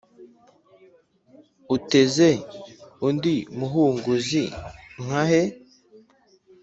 uteze undi muhunguzi nka he ?